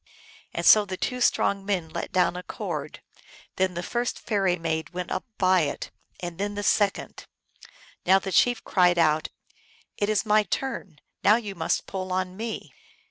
And so the two strong men let down a cord : then the first fairy maid went up by it, and then the second. Now the chief cried out, " It is my turn ; now you must pull on me